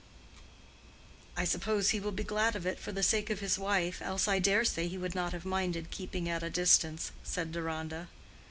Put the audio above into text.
"I suppose he will be glad of it for the sake of his wife, else I dare say he would not have minded keeping at a distance," said Deronda.